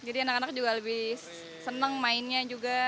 jadi anak anak juga lebih seneng mainnya juga